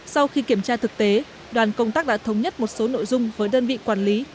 sau khi kiểm tra thực tế đoàn công tác đã thống nhất một số nội dung với đơn vị quản lý